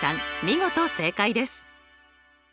見事正解です。